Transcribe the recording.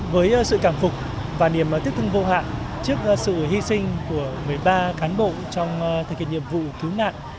với sự cảm phục và niềm thích thương vô hạn trước sự hy sinh của một mươi ba cán bộ trong thời kỳ nhiệm vụ cứu nạn